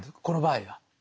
この場合は。